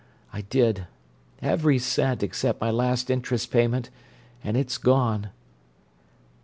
I did—every cent except my last interest payment—and it's gone."